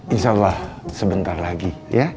insya allah sebentar lagi